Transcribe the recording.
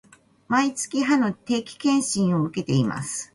毎月、歯の定期検診を受けています